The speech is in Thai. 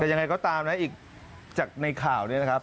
แต่ยังไงก็ตามนะอีกจากในข่าวนี้นะครับ